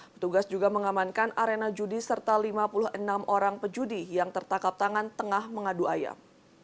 petugas juga mengamankan arena judi serta lima puluh enam orang pejudi yang tertangkap tangan tengah mengadu ayam